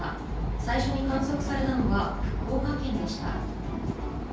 最初に観測されたのは福岡県でした。